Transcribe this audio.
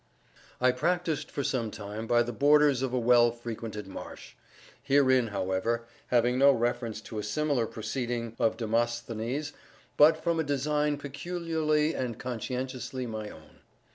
I practised for some time by the borders of a well frequented marsh;—herein, however, having no reference to a similar proceeding of Demosthenes, but from a design peculiarly and conscientiously my own.